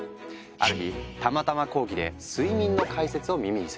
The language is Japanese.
ある日たまたま講義で睡眠の解説を耳にする。